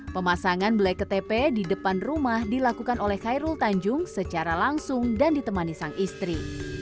pemasangan belek ktp di depan rumah dilakukan oleh khairul tanjung secara langsung dan ditemani sang istri